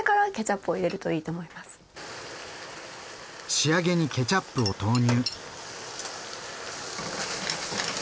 仕上げにケチャップを投入。